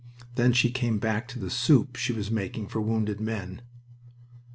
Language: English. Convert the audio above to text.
Then she came back to the soup she was making for wounded men.